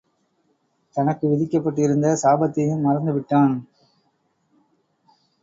தனக்கு விதிக்கப்பட்டிருந்த சாபத்தையும் மறந்து விட்டான்.